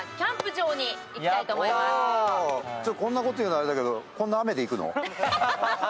こんなこと言うのあれだけど、こんな雨で行くの？